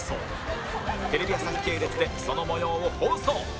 テレビ朝日系列でその模様を放送